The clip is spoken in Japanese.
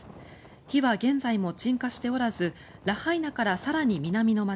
火は現在も鎮火しておらずラハイナから更に南の街